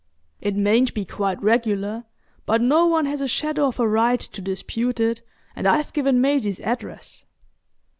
"It mayn't be quite regular, but no one has a shadow of a right to dispute it, and I've given Maisie's address.